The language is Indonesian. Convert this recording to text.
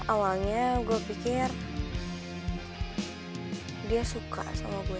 awalnya gue pikir dia suka sama gue